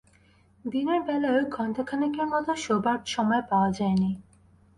দিনের বেলায়ও ঘণ্টাখানেকের মতো শোবার সময় পাওয়া যায় নি।